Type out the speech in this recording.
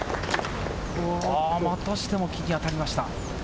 またしても、木に当たりました。